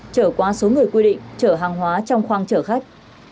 chở quá số người quy định chở hàng hóa trong khoang chở khách